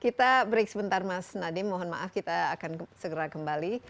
kita break sebentar mas nadiem mohon maaf kita akan segera kembali